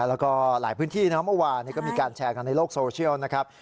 แล้วก็หลายพื้นที่นะครับเมื่อวานก็มีการแชร์กันในโลกโซเชียลนะครับ